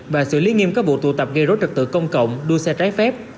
và xử lý nghiêm các vụ tụ tập gây rối trật tự công cộng đua xe trái phép